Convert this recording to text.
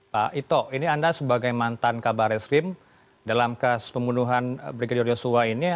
pak ito ini anda sebagai mantan kabar eskrim dalam kasus pembunuhan brigadir yosua ini